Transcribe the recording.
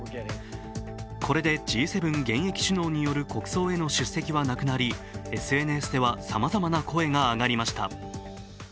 これでＧ７現役首脳による国葬への出席がなくなりＳＮＳではさまざまな声が上がりました。